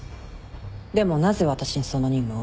でもなぜ私にその任務を？